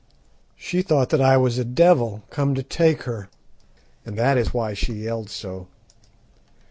She thought that I was a devil come to take her, and that is why she yelled so.